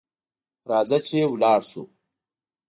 راځه چې لاړشوو